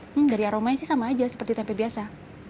hmm dari aromanya sih sama aja seperti tempe biasa